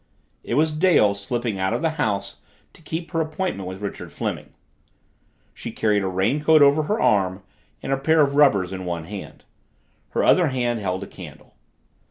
It was Dale slipping out of the house to keep her appointment with Richard Fleming. She carried a raincoat over her arm and a pair of rubbers in one hand. Her other hand held a candle.